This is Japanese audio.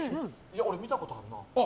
俺見たことあるな。